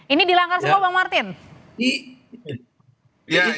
ini dilanggar semua bang martin